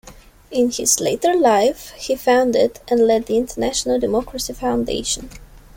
In his later life, he founded and led the International Democracy Foundation.